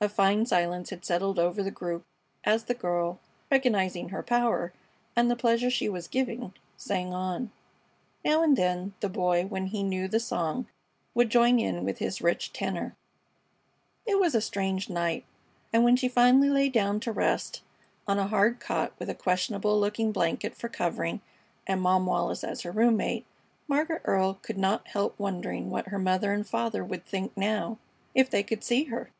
A fine silence had settled over the group as the girl, recognizing her power, and the pleasure she was giving, sang on. Now and then the Boy, when he knew the song, would join in with his rich tenor. It was a strange night, and when she finally lay down to rest on a hard cot with a questionable looking blanket for covering and Mom Wallis as her room mate, Margaret Earle could not help wondering what her mother and father would think now if they could see her.